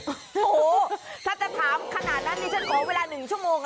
โอ้โหถ้าจะถามขนาดนั้นดิฉันขอเวลา๑ชั่วโมง